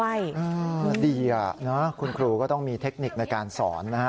อ้าวดีอ่ะนะคุณครูก็ต้องมีเทคนิคในการสอนนะ